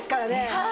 はい。